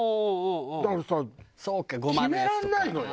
だからさ決められないのよ。